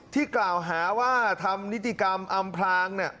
ที่กล่าวหาว่าทำนิติกรรมอำพลาง